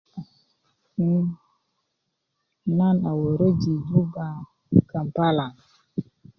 um nan a wöröji' juba kampala